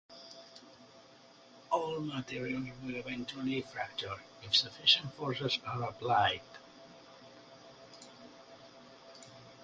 All materials will eventually fracture, if sufficient forces are applied.